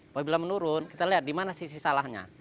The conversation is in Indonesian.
apabila menurun kita lihat di mana sisi salahnya